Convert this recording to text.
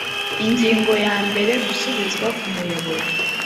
ingingo ya mbere gusubizwa ku muyoboro